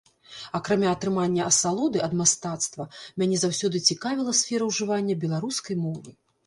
Акрамя атрымання асалоды ад мастацтва, мяне заўсёды цікавіла сфера ўжывання беларускай мовы.